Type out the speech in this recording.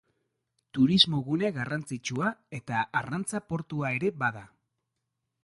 Turismogune garrantzitsua eta arrantza portua ere bada.